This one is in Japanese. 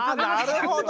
あなるほど。